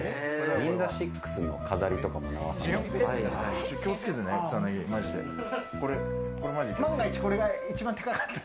ＧＩＮＺＡＳＩＸの飾りとかも名和さんだったり。